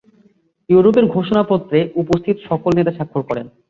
ইউরোপের ঘোষণাপত্রে উপস্থিত সকল নেতা স্বাক্ষর করেন।